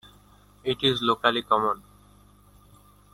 It is locally common.